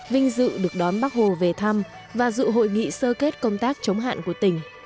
vinh dự được đón bác hồ về thăm và dự hội nghị sơ kết công tác chống hạn của tỉnh